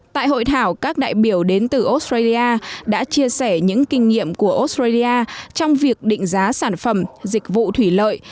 tại hội thảo các đại biểu đến từ australia đã chia sẻ những kinh nghiệm của australia trong việc định giá sản phẩm dịch vụ thủy lợi